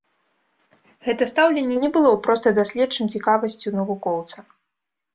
Гэта стаўленне не было проста даследчым цікавасцю навукоўца.